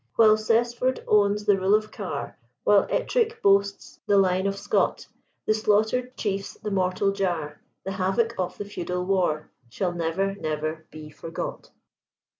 While Cessford owns the rule of Car, While Ettrick boasts the line of Scott, The slaughtered chiefs, the mortal jar, The havoc of the feudal war, Shall never, never be forgot.'